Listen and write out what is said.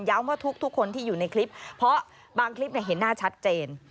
ว่าทุกคนที่อยู่ในคลิปเพราะบางคลิปเห็นหน้าชัดเจน